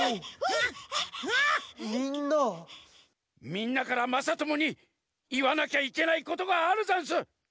みんなからまさともにいわなきゃいけないことがあるざんす。